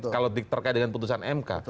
kalau terkait dengan putusan mk